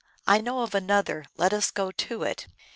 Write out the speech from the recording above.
I know another, let us go to it."